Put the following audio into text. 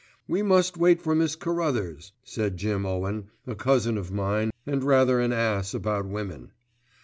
"We must wait for Miss Carruthers," said Jim Owen, a cousin of mine and rather an ass about women.